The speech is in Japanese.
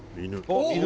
「犬？」